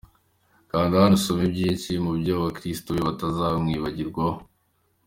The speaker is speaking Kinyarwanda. Kanda hano usome byinshi mu byo abakirisitu be batazamwibagirwaho.